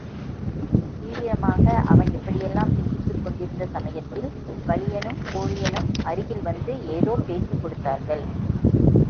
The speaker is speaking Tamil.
தீவிரமாக அவன் இப்படியெல்லாம் சிந்தித்துக்கொண்டிருந்த சமயத்தில் வலியனும் பூழியனும் அருகில் வந்து ஏதோ பேச்சுக் கொடுத்தார்கள்.